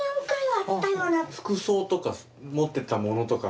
服装とか持ってたものとか。